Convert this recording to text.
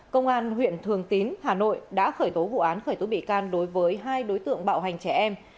công an huyện thường tín hà nội đã khởi tố vụ án khởi tố bị can đối với hai đối tượng bạo hành trẻ em